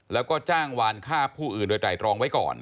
แล้วก็จ้างวานฆ่าผู้อื่นโดยไตรรองไว้ก่อน